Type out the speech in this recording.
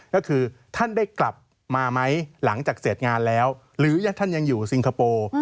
ก็คือท่านได้กลับมาไหมหลังจากเสร็จงานแล้วหรือท่านยังอยู่สิงคโปร์